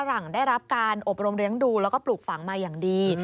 หลังได้รับการอบรมเลี้ยงดูแล้วก็ปลูกฝังมาอย่างดี